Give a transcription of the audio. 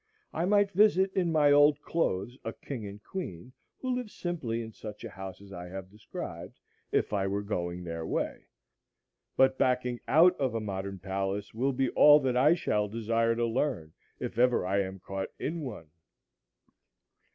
I might visit in my old clothes a king and queen who lived simply in such a house as I have described, if I were going their way; but backing out of a modern palace will be all that I shall desire to learn, if ever I am caught in one.